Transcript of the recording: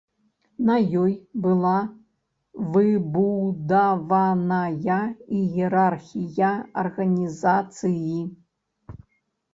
На ёй была выбудаваная іерархія арганізацыі.